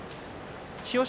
千代翔